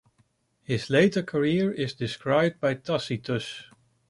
His later career is described by Tacitus.